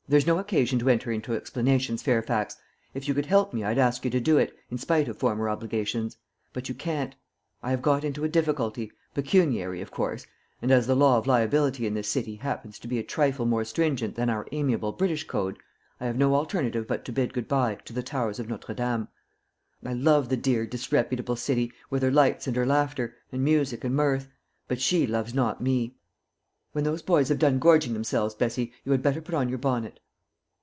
There's no occasion to enter into explanations, Fairfax. If you could help me I'd ask you to do it, in spite of former obligations; but you can't. I have got into a difficulty pecuniary, of course; and as the law of liability in this city happens to be a trifle more stringent than our amiable British code, I have no alternative but to bid good bye to the towers of Notre Dame. I love the dear, disreputable city, with her lights and laughter, and music and mirth; but she loves not me. When those boys have done gorging themselves, Bessie, you had better put on your bonnet."